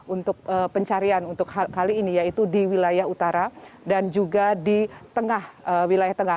untuk pencarian untuk kali ini yaitu di wilayah utara dan juga di tengah wilayah tengah